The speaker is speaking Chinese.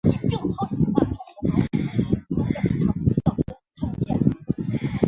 罗宗洛代理校长成立国立台湾大学临时医学专修科供他们完成学业。